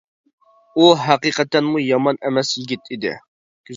ئۇ ھەقىقەتەنمۇ يامان ئەمەس يىگىت ئىدى.